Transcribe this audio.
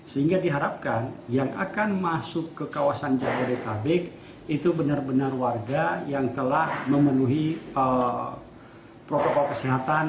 sehingga diharapkan yang akan masuk ke kawasan jabodetabek itu benar benar warga yang telah memenuhi protokol kesehatan